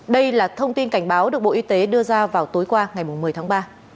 đây là thông tin cảnh báo được bộ y tế đưa ra vào tối qua ngày một mươi tháng ba